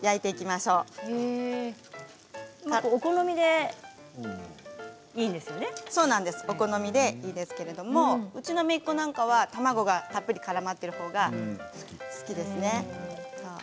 そうですお好みでいいですけどうちのめいっ子は卵がたっぷりからまっているほうが好きですね。